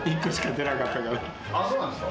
そうなんですか？